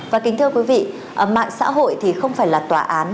và kính thưa quý vị mạng xã hội thì không phải là tòa án